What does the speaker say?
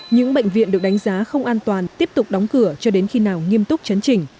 những bệnh viện được đánh giá không an toàn tiếp tục đóng cửa cho đến khi nào nghiêm túc chấn chỉnh